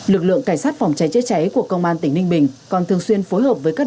lực lượng cảnh sát phòng cháy chữa cháy của công an tỉnh ninh bình còn thường xuyên phối hợp với các